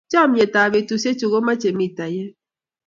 chomnyetab betusiechu komache mitaiyet